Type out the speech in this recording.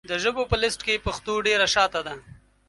د ژبو په لېسټ کې پښتو ډېره شاته ده .